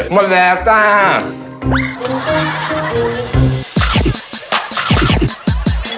หมดแล้วตั๊ก